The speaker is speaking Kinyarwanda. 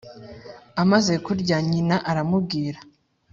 Amaze kurya nyina aramubwira